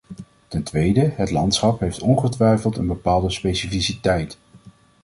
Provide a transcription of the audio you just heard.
Ten tweede: het landschap heeft ongetwijfeld een bepaalde specificiteit.